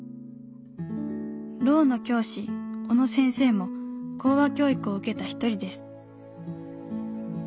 ろうの教師小野先生も口話教育を受けた一人です。